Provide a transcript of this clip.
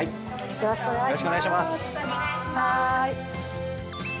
よろしくお願いします。